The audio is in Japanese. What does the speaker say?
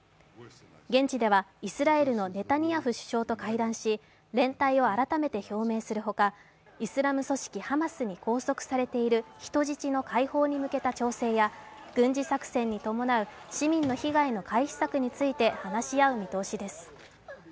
現地ではイスラエルのネタニヤフ首相と会談し、連帯を改めて表明するほかイスラム組織ハマスに拘束されている人質の解放に向けた調整や軍事作戦に伴う市民の被害の回避策について話し合う見込みです。